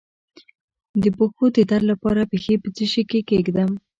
د پښو د درد لپاره پښې په څه شي کې کیږدم؟